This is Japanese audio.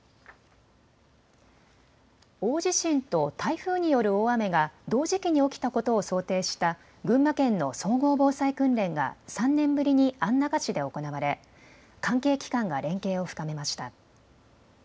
大地震と台風による大雨が同時期に起きたことを想定した群馬県の総合防災訓練が３年ぶりに安中市で行われ関係機関が連携を深めました。